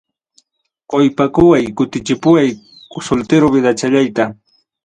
Qoykapuway kutichipuway soltero vidachallayta.